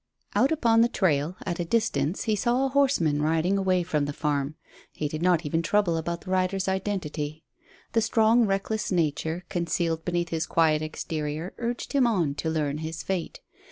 Out upon the trail, at a distance, he saw a horseman riding away from the farm; he did not even trouble about the rider's identity. The strong, reckless nature, concealed beneath his quiet exterior, urged him on to learn his fate.